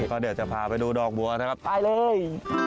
ก็เดี๋ยวจะพาไปดูดอกบัวนะครับไปเลย